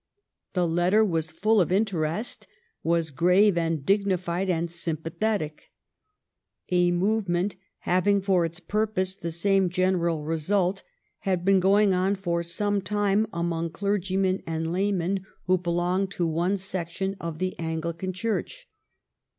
The letter was full of interest, was grave and dignified and sympathetic. A movement, having for its pur pose the same general result, had been going on for some time among clergymen and laymen who be 406 THE STORY OF GLADSTONE'S LIFE longed to one section of the Anglican Church.